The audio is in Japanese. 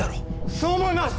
そう思います！